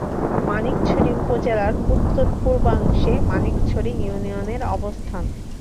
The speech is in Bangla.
মানিকছড়ি উপজেলার উত্তর-পূর্বাংশে মানিকছড়ি ইউনিয়নের অবস্থান।